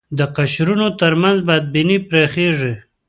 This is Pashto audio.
د قشرونو تر منځ بدبینۍ پراخېږي